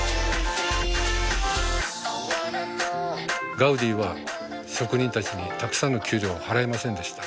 ガウディは職人たちにたくさんの給料を払いませんでした。